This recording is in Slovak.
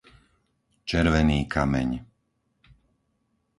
Červený Kameň